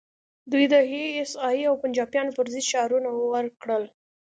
دوی د ای ایس ای او پنجابیانو پر ضد شعارونه ورکړل